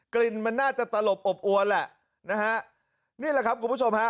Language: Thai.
กลิ่นมันน่าจะตลบอบอวนแหละนะฮะนี่แหละครับคุณผู้ชมฮะ